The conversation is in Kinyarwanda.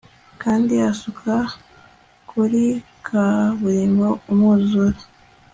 Kandi asuka kuri kaburimbo umwuzure